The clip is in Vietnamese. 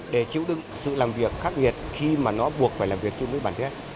để chịu đựng sự làm việc khắc nghiệt khi mà nó buộc phải làm việc chung với bản thân